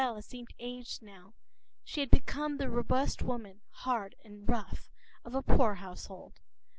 Loisel seemed aged now. She had become the robust woman, hard and rough, of a poor household.